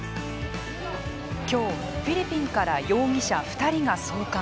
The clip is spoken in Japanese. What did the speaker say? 今日、フィリピンから容疑者２人が送還。